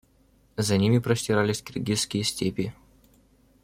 За ними простирались киргизские степи.